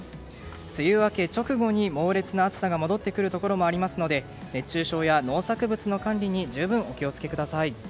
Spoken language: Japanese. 梅雨明け直後に猛烈な暑さが戻ってくるところもありますので熱中症や農作物の管理に十分お気を付けください。